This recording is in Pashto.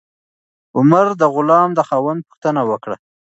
عمر د غلام د خاوند پوښتنه وکړه.